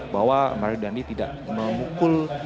bahwa mario dandi tidak memukul